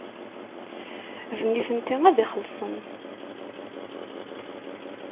D nitenti ad ixellṣen.